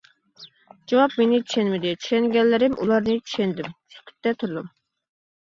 جاۋاب مېنى چۈشەنمىدى، چۈشەنگەنلىرىم، ئۇلارنى چۈشەندىم، سۈكۈتتە تۇردۇم.